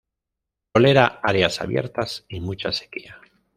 Tolera áreas abiertas, y mucha sequía.